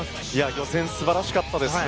予選素晴らしかったですね。